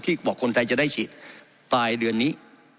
บอกคนไทยจะได้ฉีดปลายเดือนนี้